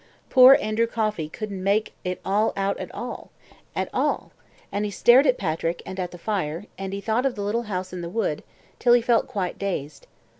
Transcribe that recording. Poor Andrew Coffey couldn't make it all out at all, at all, and he stared at Patrick and at the fire, and he thought of the little house in the wood, till he felt quite dazed.